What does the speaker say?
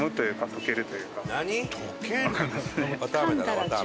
溶ける？